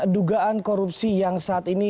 dugaan korupsi yang saat ini